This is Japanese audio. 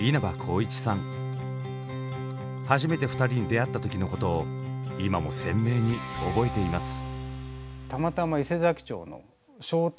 初めて２人に出会った時のことを今も鮮明に覚えています。